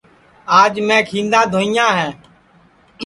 آج میں کھیندا دھوئیاں ہے